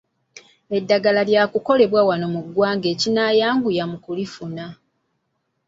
Eddagala lya kukolebwa wano mu ggwanga ekinayanguya mu kulifuna.